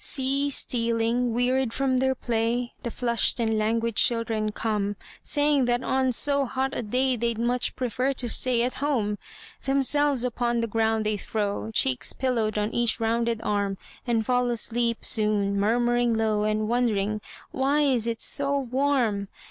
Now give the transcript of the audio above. See stealing, wearied from their play, The flushed and languid children come, Saying that on so hot a day They'd much prefer to stay at home. Themselves upon the ground they throw, Cheeks pillowed on each rounded arm And fall asleep soon, murmuring low, And wondering "why it is so warm?"